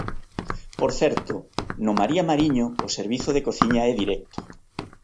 Por certo, no María Mariño o servizo de cociña é directo.